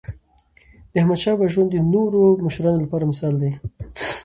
داحمدشاه بابا ژوند د نورو مشرانو لپاره مثال دی.